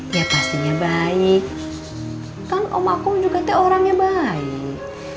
ya pastinya baik kan om akung juga teh orangnya baik